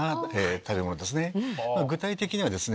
具体的にはですね